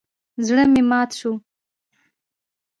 زړه مې مات شو.